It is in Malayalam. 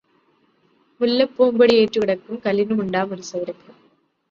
മുല്ലപ്പൂമ്പൊടിയേറ്റുകിടക്കും കല്ലിനുമുണ്ടാമൊരു സൗരഭ്യം.